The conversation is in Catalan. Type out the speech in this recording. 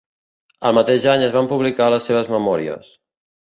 El mateix any es van publicar les seves memòries.